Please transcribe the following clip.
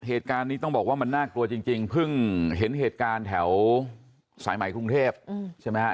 เหตุการณ์นี้ต้องบอกว่ามันน่ากลัวจริงเพิ่งเห็นเหตุการณ์แถวสายใหม่กรุงเทพใช่ไหมฮะ